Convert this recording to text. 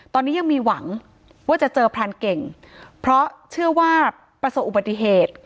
ตอนนี้ยังมีหวังว่าจะเจอพรานเก่งเพราะเชื่อว่าประสบอุบัติเหตุ